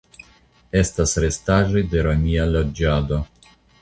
Estas restaĵoj de romia loĝado.